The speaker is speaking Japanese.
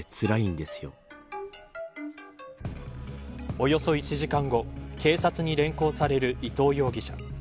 およそ１時間後警察に連行される伊藤容疑者。